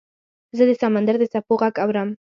زه د سمندر د څپو غږ اورم .